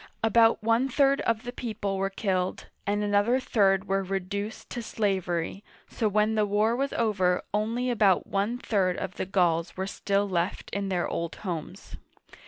About one third of the people were killed, and another third were reduced to slavery, so when the war was over only about one third of the Gauls were still left in their old homes.